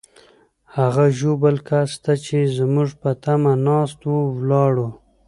هغه ژوبل کس ته چې زموږ په تمه ناست وو، ولاړو.